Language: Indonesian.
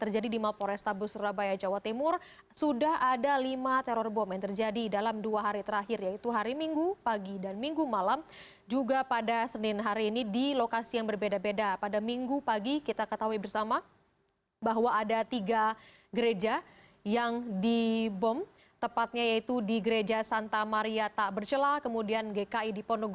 jalan jalan jalan